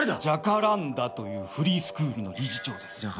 ジャカランダというフリースクールの理事長です。